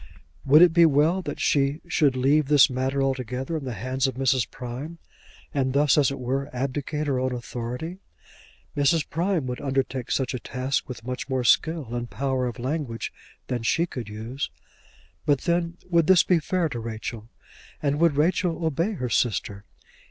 Would it be well that she should leave this matter altogether in the hands of Mrs. Prime, and thus, as it were, abdicate her own authority? Mrs. Prime would undertake such a task with much more skill and power of language than she could use. But then would this be fair to Rachel, and would Rachel obey her sister?